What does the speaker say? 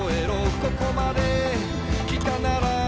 「ここまで来たなら」